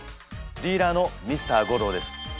ディーラーのＭｒ．ゴローです。